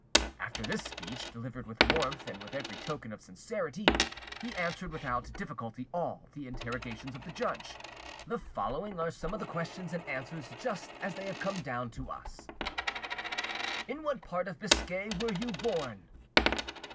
After this speech, delivered with warmth, and with every token of sincerity, he answered without difficulty all the interrogations of the judge. The following are some of the questions and answers, just as they have come down to us:— "In what part of Biscay were you born?"